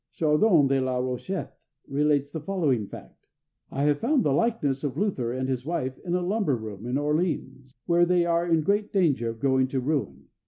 Chardon de la Rochette relates the following fact: "I have found the likeness of Luther and his wife in a lumber room in Orleans, where they are in great danger of going to ruin.